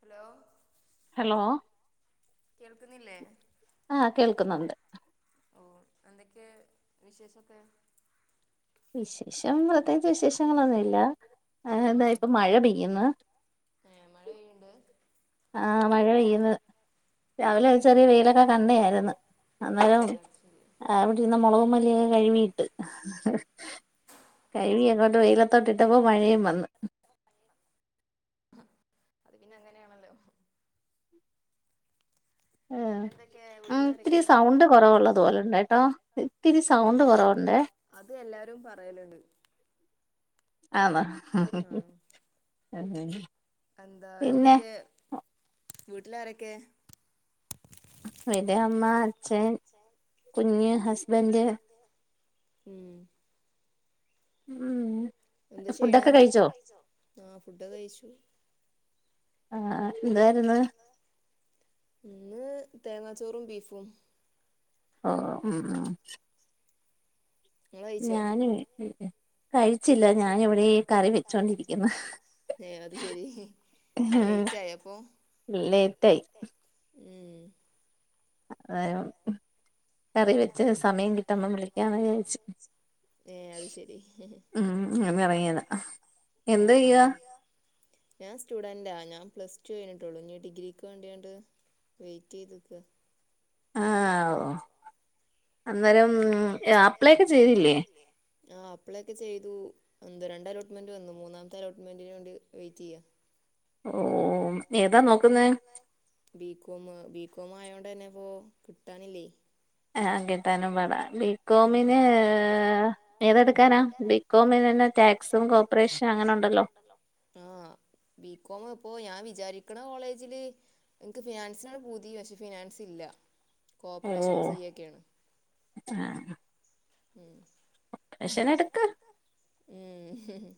Hello hello കേൾക്കുന്നില്ലേ ആഹ് കേൾക്കുന്നുണ്ട് ഓഹ് എന്തെക്കെ വിശേഷോക്കെ വിശേഷം പ്രത്യേയിച്ച് വിശേഷങ്ങളൊന്നുയില്ല ആഹ് ഇതാ ഇപ്പൊ മഴ പെയ്യ്ന്ന് ഏ മഴ പെയ്യ്ണ്ട് ആഹ് മഴ പെയ്യ്ന്ന് രാവിലെ ഒര് ചെറിയ വെയിലൊക്കെ കണ്ടയായിരുന്ന് അന്നേരം അ ആഹ് അവിടെയിരുന്ന മൊളകും മല്ലിയൊക്കെ കഴുക്കിയിട്ട് കഴുക്കി അങ്ങോട്ട് വെയിലത്തോട്ട് ഇട്ടപ്പം മഴയും വന്ന് അത് പിന്നെ അങ്ങനെയാണല്ലോ പിന്നെ എന്തൊക്കെ വീട്ട്ലാരൊക്കേയിള്ളെ കൊറവുള്ളത് പോലെണ്ട് കേട്ടോ ഇത്തിരി സൗണ്ട് കൊറവുണ്ടേ അത് എല്ലാരും പറയല്ണ്ട് ആഹ് വാ [unintelligible] എന്താ എന്തൊക്കെ വീട്ട്ലാരൊക്കെ വീടില് അമ്മ, അച്ഛൻ, കുഞ്ഞ്, ഹസ്ബൻറ്, [unintelligible] മംമം എന്താ ചെയ്യണ്. ഫുഡോകേ കഴിച്ചോ? ആഹ ഫുഡ് കഴിച്ചു. ആഹ ആഹാ നാരം ഇന്ന് തേങ്ങാച്ചോറും ബീഫും. ഓ ഹും ഹും ഞാന് കഴിച്ചില്ല. ഞാനവിടെ കറി വെച്ചൊണ്ടിരിക്ക്‌ന്ന്. ഏ അത് ശെരി ലേയിറ്റ് ആയപ്പൊ. ലെറ്റായി എാ അതായം കറി വെച്ച് സമയംകിട്ടമ്പം വിളിക്കാന്ന് വിചാരിച്ചു. ഉം ഇന്ന്റങ്ങേത എന്തയ്യ ഞാൻ സ്റ്റുഡന്റാ ഞാൻ പ്ലസ് ടു കഴിഞ്ഞിട്ടുള്ളു. ഇനി ഡിഗ്രിക്ക് വേണ്ടിയാണ്ട്. വെയിറ്റെയ്ത്ക്കാ ആ. വോ അന്നേരം അപ്ലൈക്കെ ചെയ്തില്ലേ? ആഹ് അപ്ലൈയെക്കെ ചെയ്തു എന്താ രണ്ട് അലോട്ട്മെന്റ് വന്നു മൂന്നാമത്തെ അലോട്ട്മെന്റിന് വേണ്ടി വെയിറ്റെയ്യാ [unintelligible] ഏതാ നോക്കുന്നേ ബികോം ബികോം ആയോണ്ടന്നെ ഇപ്പോ കിട്ടാനില്ലേ ആ കിട്ടാനും പാട. ബികോമിന് ഏതെടുക്കാനാ? ബി [unintelligible] ടാക്സും കോർപ്പറേഷനങ്ങനെ ഉണ്ടല്ലോ? ആ ബികോമ് പോ ഞാൻ വിചാരിക്ക്ണ കോളേജില്. ഇന്ക്ക് ഫിനാൻസിനാണ് പൂതി പക്ഷേ ഫിനാൻസില്ല കോപ്പറേഷനും സി എ ആഹ് ഉം അഡ്മിഷനെടുക്ക് ഉം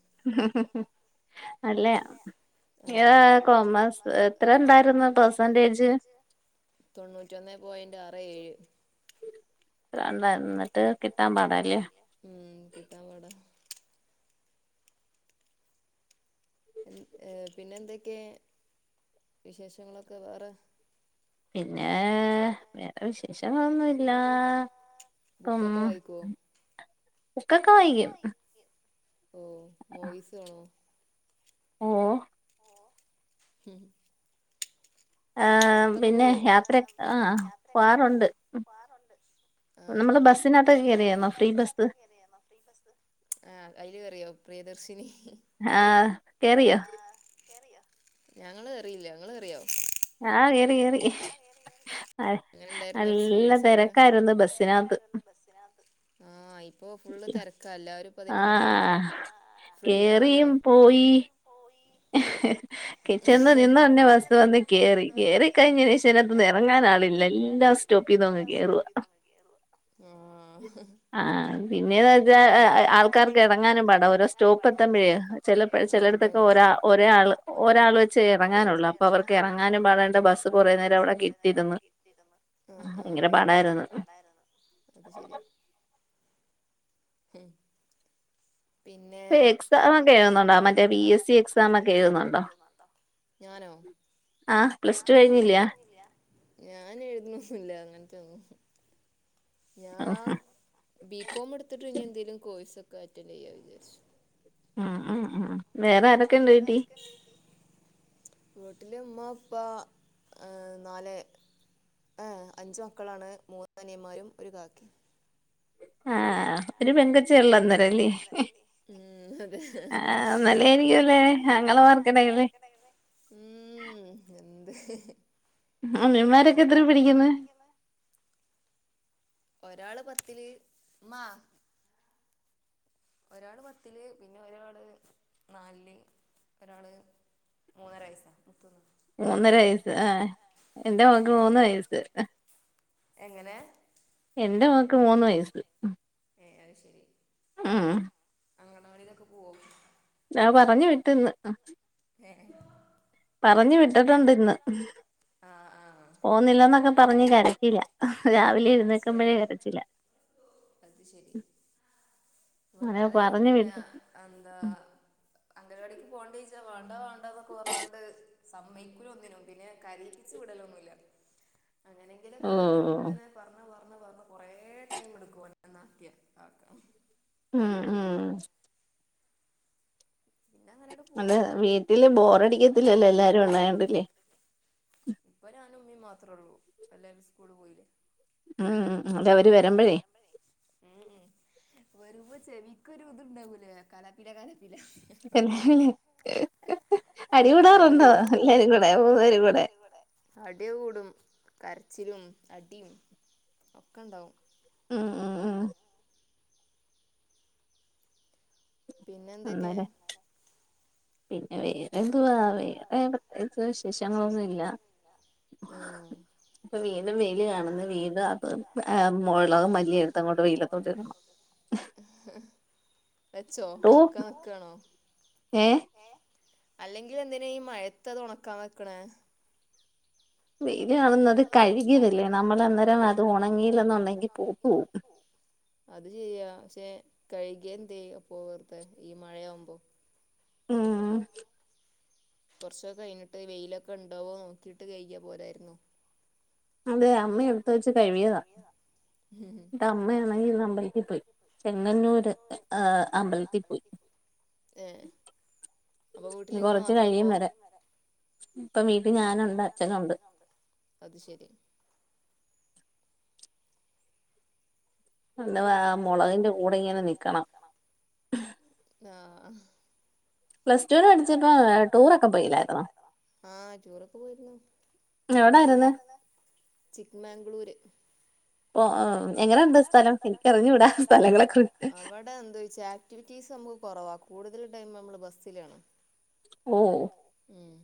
നല്ലയാ യാഹ കോമേഴ്സ് എത്ര ഉണ്ടായിരുന്നു പെഴ്സന്റേജ്. തൊണ്ണൂറ്റൊന്നെ പോയിന്റ് ആറ് ഏഴ്. വണ്ട ന്നിട്ട് കിട്ടാൻ പാടല്ല ഉും കിട്ടാൻ പാട ഏ പിന്നെ എന്തൊക്കെ വിശേഷങ്ങളൊക്കെ വേറെ? പിന്നെ വേറെ വിശേഷങ്ങളൊന്നുല്ല. ബുക്കൊക്കെ വായിക്കോ ബുക്കൊക്കെ വായ്ക്കും ഓം മൂവീസ് കാണോ? [unintelligible] ഓഹ് ഉം ആഹ് പിന്നെ യാത്രെ ആഹ് പോവാറുണ്ട് ഉം നമ്മള് ബസ്സിനകത്ത് കേറിയാരുന്നോ? ഫ്രീ ബസ് ഫ്രീ ബസ് ആഹ് അയില് കേറിയോ പ്രിയദർശിനി ആഹ് കേറിയോ? ആഹ് കേറിയോ ഞങ്ങള് കേറിയില്ല ഇങ്ങള് കേറിയോ ആഹ് കേറി കേറി അ നല്ല തെരക്കായിരുന്നു ബസിനത്ത്. ആഹ് ഇപ്പൊ ഫുള്ള് തെരക്ക ല്ലരും. ആഹ് കേറിയും പോയി. കിച്ചന്ന് നിന്ന തന്നെ ബസ് വന്ന് കേറി കേറി കഴിഞ്ഞേനേശം അയിനാത്ത്ന്ന് എറങ്ങാനാളില്ല എല്ലാ സ് എല്ലാ സ്റ്റോപ്പിന്നും [unintelligible] ഉം ആ പിന്നെയച്ചാൽ ആൾക്കാർക്ക് ഇടങ്ങാനും പാട ഓരോ സ്റ്റോപ്പ് എത്തുമ്പോഴേ. ചെലപ്പഴെ ചെലയിടത്തൊക്കെ ഒരാ ഒരെ ആള് ഒ ഒരാൾ വെച്ച് എറങ്ങാനുളളു അപ്പ അവർക്ക് എറങ്ങാനും പാടാണ് ബസ്സ് കൊറേ നേരം അവടെ കെട്ടിയിരുന്ന് ആഹ് ആഹ് അത് ശരി ഏഹ് പിന്നെ എക്സാം ഒക്കെ എഴുന്നുണ്ടോ? മറ്റേ ബി എസ് സി എക്സാം ഒക്കെ എഴുതുന്നുണ്ടോ? ഞാനോ ഉഹ് ഞാൻ എഴുത്ണൊന്നുല്ല അങ്ങൻത്തെന്നും. ഞാൻ ബികോം എടുത്തിട്ട് ഇഞ്ഞ് എന്തേലും കോഴ്സ് ഒക്കെ അറ്റൻഡ് ചെയ്യാ വിചാരിച്ചു. അ ആ ആഹ് വേറെ ആര വേറെ ആരൊക്കെ വിട്ട് വീട്ടില് ഉമ്മ ഉപ്പാ ങ് നാല് ങ് അഞ്ച് മക്കളാണ് മൂന്നാനിയന്മാരും ഒരു കാക്കിം. എഹ് ഒരു പെങ്കച്ച് ഉള്ളന്നേരം ല്ലേ അ ആഹ് നല്ലായിനരിക്ക്ല്ലേ അങ്ങള മർ [unintelligible] ഉം എന്ത് അമ്മിന്മാരൊക്കെ എത്ര പിടിക്ക്ന്നെ ഒരാള് പത്തില് മ്മാ ഒരാള് പത്തില്ല് പിന്നെ ഒരാള് നലില്. ഒരാള് മൂന്നര വയസ്സാ മുത്തുന്ന് മൂന്നര വയസ്സ് ആഹ് എന്റെ മോക്ക് മൂന്ന് വയസ്സ്. എന്റെ മ ഏയ് അയ്ശെരി. ആഹ് അങ്ങണവാടിയിലൊക്കെ പോവും ഞാൻ പറഞ്ഞു വിട്ട്ന്ന്. ഏഹ് പറഞ്ഞു വിട്ടട്ടുണ്ട് ഇന്ന്. പോന്നില്ലന്നൊക്കെ പറഞ്ഞ് കരക്കില്ല. രാവിലെ എഴുന്നേക്കുമ്പോഴേ കരച്ചില്ല. അത് ശരി ഇവൻ കരയൊന്നുല്ല. അതെന്താ അംഗൻവാടിക്ക് പോകണ്ടെ ചൊദിച്ചാ വേണ്ട വേണ്ടന്നൊക്കെ പർഞ്ഞണ്ട്. സമ്മയികുല ഒന്നിനും പിന്നെ കരയിപ്പിച്ച് വിടലൊന്നുല്ല. അങ്ങനെങ്കിലൊക്കെ ആയിട്ട് ഇങ്ങനെ പറഞ്ഞ് പറഞ്ഞഞ് പറഞ്ഞ് കൊറേ ടൈം എടുക്കും ഓനെ ആക്കിയ ആക്കാ ഉം ഉം അല്ല വീട്ടില് ബോറടിക്കത്തില്ലല്ലോ എല്ലാരും ഉണ്ടായണ്ട്ല്ലേ? ഇപ്പൊ ഞാനും ഉമ്മിം മാത്രേ ഉള്ളൂ എല്ലാവരും സ്കൂള് പോയില്ലേ? ഉം അവര് വരുമ്പഴേ. എ ഏ വെരുമ്പോ ചെവിക്കൊരു ഇതുണ്ടാവൂലേ കലപ്പില കലപ്പില. [unintelligible] അടികുടാറുണ്ടോ എല്ലാരും കൂടെ മൂന്നരും കൂടെ? അടി കൂടും കരച്ചിലും അടിയും ഒക്കെ ഉണ്ടാവും. ഉം ഉം ഉം പിന്നെ എന്തൊക്കെ? പിന്നെ വേറെ എന്തുവാ വേറെ പ്രത്യേകിച്ച് വിശേഷങ്ങളൊന്നുംല്ല. ആഹ് ഇപ്പൊ വീടും വെയില് കാണുന്നു വീടും അത് മോളകു മല്ലി എടുത്തങ്ങോട്ട് വെയിലത്തോട്ട് ഇടണം. വെച്ചോ വെക്കാ നിക്കാണോ? ഏ അല്ലെങ്കിൽ എന്തിന ഈ മഴയത്ത് അത് ഉണക്കാൻ വെക്കണ്. വെയില കാണത് കഴുകിതയത് ല്ലേ നമ്മൾ അന്നേരം അത് ഉണങ്ങീയില്ലന്നുണ്ടെങ്കി പുപ് പോവും. അത് ചെയ്യാ പക്ഷെ കഴുകിയ എന്തെയ അപ്പൊ വെറുതെ ഈ മഴയാവുമ്പോ. [unintelligible] കുറച്ചൊക്കെ കഴിഞ്ഞിട്ട് വെയിലൊക്കെ ഉണ്ടാവോ നോക്കിയിട്ട് കഴിയാ പോലായിരുന്നോ അതെ അമ്മ എടുത്ത് വെച്ച് കഴുകിയതാ എന്നട്ട് അമ്മയാണെങ്കിൽ അമ്പലത്തിൽ പോയി ചെങ്ങന്നൂര് അമ്പലത്തിൽ പോയി എ അപ്പോ വീട്ടിൽ നിങ്ങൾ മാത്രം അപ്പോ ഇപ്പോ വീട്ടിൽ ഞാനുണ്ട് അച്ഛനുണ്ട് അത് ശരി എന്തുവാ മുളകിന്റെ കൂടെ ഇങ്ങനെ നിൽക്കണം ആഹ പ്ലസ് ടു വിന് പഠിച്ചപ്പോൾ ടൂർ ഒക്കെ പോയി ഇല്ലായിരുന്നോ ആ ടൂർ ഒക്കെ പോയിരിന്നു എവിടെയായിരുന്നു ചിക്മംഗ്ളൂർ [inaudible] എങ്ങനെ ഉണ്ട് സ്ഥലം എനിക്കറിഞ്ഞുകൂടാ സ്ഥലങ്ങളെ കുറിച്ച് എന്താ ചോദിച്ചാൽ ആക്ടിവിറ്റീസ് നമുക്ക് കുറവാ കൂടുതൽ ടൈം നമ്മള് ബസ്സിലാണ് ഉം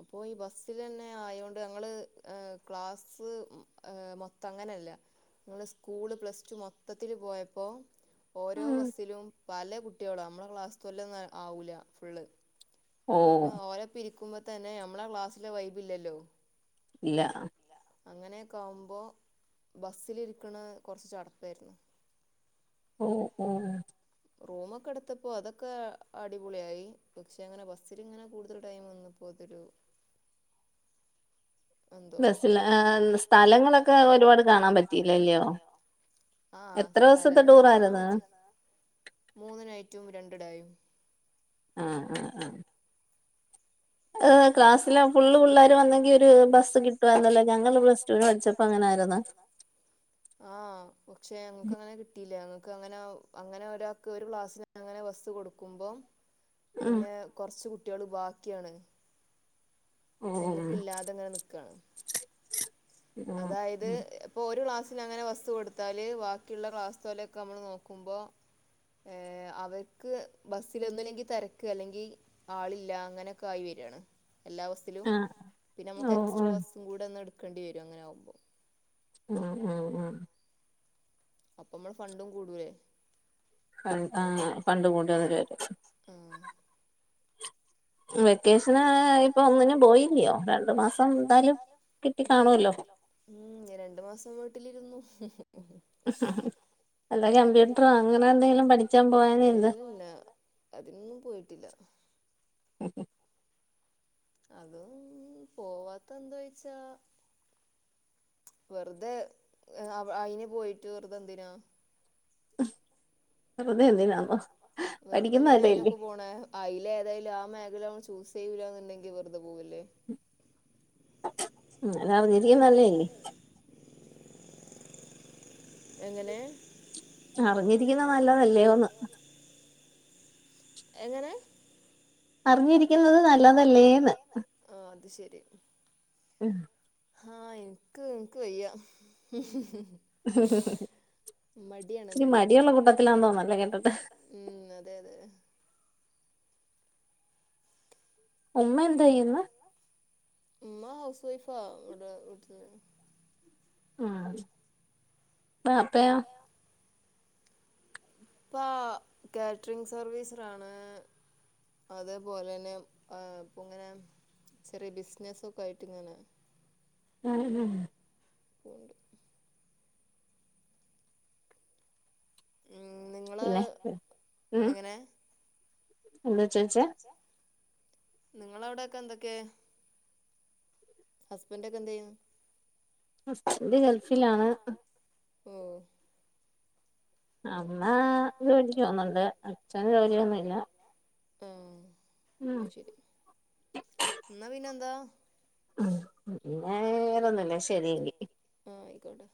അപ്പൊ ഈ ബസ്സിൽ എന്നെ ആയോണ്ട് ക്ലാസ്സ് മൊത്തം അങ്ങനെല്ല നിങ്ങള് സ്കൂള് പ്ലസ് ടു മൊത്തത്തിൽ പോയപ്പോ ഓരോ ബസ്സിലും പല കുട്ടികളോ നമ്മളുടെ ക്ലാസ് തൊല്ന്ന ആവൂില്ല ഫുള്ള് അപ്പൊ ഓരെ പിരിക്കുമ്പോ തന്നെ നമ്മളെ ക്ലാസ്സിലെ വൈബ് ഇല്ലല്ലോ ഇല്ല അങ്ങനെയൊക്കെ ആവുമ്പോ ബസ്സിലിരിക്കണ കുറച്ച് ചടപ്പായിരുന്നു ഓ ഓ റൂമ് ഒക്കെ എടുത്തപ്പോ അതൊക്കെ അടിപൊളിയായി പക്ഷെ അങ്ങനെ ബസ്സിൽ ഇങ്ങനെ കൂടുതൽ ടൈം വന്ന [unintelligible] ബസിൽ സ്ഥലങ്ങളൊക്കെ ഒരുപാട് കാണാൻ പറ്റിയില്ലല്ലയോ ആസ്ഥലങ്ങളൊക്കെ കാണാൻ പറ്റി മൂന്നു നൈറ്റ്‌ രണ്ട് ഡേയും ആഹ ആ ആ ആ ക്ലാസില് ഫുള്ളൂ പിള്ളോര് വ ന്നെങ്കിൽ ഒരു ബസ് കിട്ടുവായിരുന്നല്ലോഞങ്ങൾ പ്ലസ് ടു വിന് പഠിച്ചപ്പോൾ അങ്ങനെ ആയിരുന്നു വെച്ചപ്പോ അങ്ങനെ [unintelligible] [unintelligible] ആഹ് പക്ഷെ ഞങ്ങൾക്ക് അങ്ങനെ കിട്ടിയില്ല ഞങ്ങൾക്ക് അങ്ങനെ ഒരാൾക്ക് ഒരു ക്ലാസ് അങ്ങനെ [unintelligible] കൊടുക്കുമ്പോ [unintelligible] പിന്നെ കൊറച്ചു കുട്ടികള് ബാക്കിയാണ് ഒന്നു ഇല്ലാതെ ഇങ്ങന ഇനിൽക്കാണ് അതായത് ഒരു ക്ലാസ്സിൽ അങ്ങനെ ബസ്സ് കൊടുത്താൽ ബാക്കിയുള്ള ക്ലാസ് ഒക്കെനമ്മൾ നോക്കുമ്പോ അവർക്ക് ബസ്സിലൊന്നുംഇല്ലങ്കിൽ തിരക്ക് അല്ലെങ്കിൽ ആളില്ല അങ്ങനൊക്കെ ആയി വരികയാ ണ് [unintelligible] ത്തിലും പിന്നെ നമുക്ക് എക്സ്ട്രാ ബസ് കൂടെ ഒന്ന് എടുക്കേണ്ടി വരും അങ്ങനെയാകുമ്പോൾ ഉ ഉം ഉം അപ്പോ നമ്മളെ ഫണ്ട് കൂടുതല് ആ ഫണ്ട് കൂടി [inaudible] ആ വെക്കേഷന് ഇപ്പൊ ഒന്നിനും പോയില്ലയോ രണ്ടു മാസം എന്താലും കിട്ടികാണുമല്ല ഉം രണ്ടു മാസം വീട്ടിലിരുന്നു വല്ല കമ്പ്യൂഡ്രറോ അങ്ങനെ എന്തെലും പഠിച്ചാൻ പോവാഞ്ഞതെന്ത്? ഇല്ലാ. അതിനൊന്നും പോയിട്ടില്ല. അതൊന്നും പോവാത്തെന്തായ്ച്ചാ വെർതെ അയ്ന് പോയിട്ട് വെർതെ ന്തിനാ? മ്. വെർതെതിന അയ്നൊക്കെ പോണെ? അയ്ലെതായാലും ആ മേഖല ചൂസെയ്യൂലാന്ന്ണ്ടെങ്കി വെർതെ പോവ ല്ലേ? [unintelligible] എങ്ങനെ? അറിഞ്ഞിരിക്കിന്നെ നല്ലതല്ലയോ ന്ന്. എങ്ങനെ? അറിഞ്ഞിരിക്കിന്നത് നല്ലതല്ലേന്ന്? ആഹ് അത് ശെരി. മ്. ആഹ് ഇൻക്ക് ഇൻക്ക് വയ്യ. മടിയാണ് മടി മടിയുള്ള കൂട്ട തിലാന്ന് തോന്ന്ന്ന്ല്ലേ കേടിട്ട്. മ് അതെ അതെ. ഉമ്മ എന്തയ്യുന്ന്? ഉമ്മ ഹൗസ് വൈഫാ ഇവ്ടെ വീട്ട ആഹ് ബാപ്പയോ? ഉപ്പ കാറ്ററിങ് സർവീസിലാണ്. അതേപോലെന്നെ ആ ഇപ്പങ്ങനെ ചെറിയ ബിസിനസ്സൊക്കായിട്ട് ങ്ങനെ. [unintelligible] മ് പിന്നെ ഉം. [unintelligible] നിങ്ങളവ്ടൊ ക്കെ എന്തൊക്കെ? ഹസ്ബൻന്റൊക്കെന്തേയ്ന്ന്? ഹസ്ബന്റ് ഗൾഫിലാണ്. അമ്മ ജോലിക്ക്പോവ്ന്ന്ണ്ട് അച്ഛൻ ജോലിഒന്നുംല്ല. ആഹ് ആഹ് ശരിന്നാപിന്നെന്താ? [unintelligible] [inaudible] ആഹ് അയിക്കോട്ടെ.